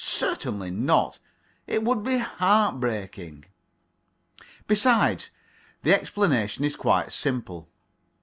Certainly not. It would be heartbreaking. Besides, the explanation is quite simple.